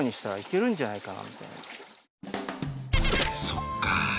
そっかぁ